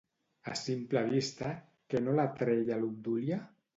A simple vista, què no l'atreia a l'Obdúlia?